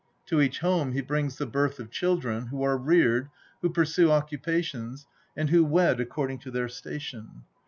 To each home he brings the birth of children, who are reared, who pursue occupations, and who wed according to their station.